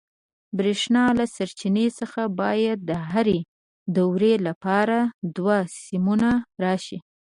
د برېښنا له سرچینې څخه باید د هرې دورې لپاره دوه سیمونه راشي.